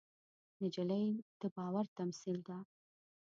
نجلۍ د باور تمثیل ده.